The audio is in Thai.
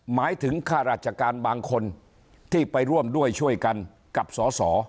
หมายถึงข้าราชการบางคนที่ไปร่วมด้วยช่วยกันกับสอสอ